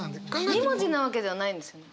２文字なわけじゃないんですよね？